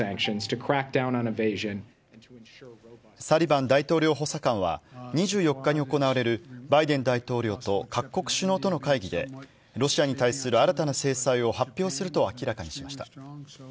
サリバン大統領補佐官は、２４日に行われるバイデン大統領と各国首脳との会議で、ロシアに対する新たな制裁を発表すると明らかにしました。